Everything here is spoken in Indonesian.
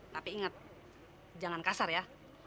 tapi ingat jangan kasar ya